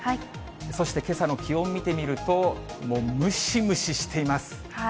そしてけさの気温見てみると、もうムシムシしています。